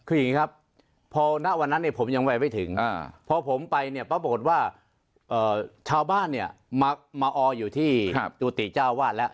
คืออย่างนี้ครับพอนักวันนั้นผมยังไวไม่ถึงพอผมไปปรบกฎว่าชาวบ้านมาออยู่ที่ตุติจ้าวาทแล้ว